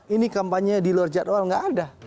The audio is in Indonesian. ini kampanye di luar jadwal nggak ada